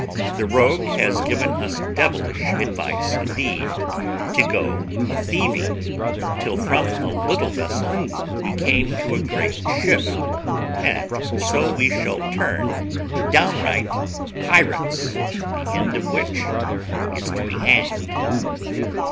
The rogue has given us devilish advice, indeed, to go a thieving, till from a little vessel we came to a great ship, and so we shall turn downright pirates, the end of which is to be hanged."